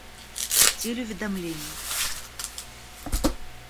Стиль уведомлений